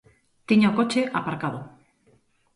Tiña o coche aparcado.